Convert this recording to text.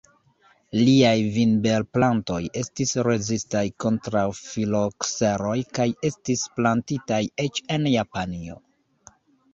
Liaj vinberplantoj estis rezistaj kontraŭ filokseroj kaj estis plantitaj eĉ en Japanio.